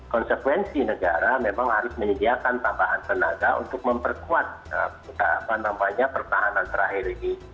konsekuensi negara memang harus menyediakan tambahan tenaga untuk memperkuat pertahanan terakhir ini